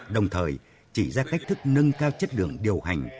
đồng thời chỉ ra cách thức nâng cao chất lượng điều hành